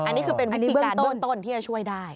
อันนี้คือเป็นวิธีการต้นที่จะช่วยได้